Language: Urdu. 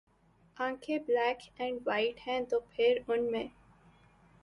آنکھیں ’ بلیک اینڈ وائٹ ‘ ہیں تو پھر ان میں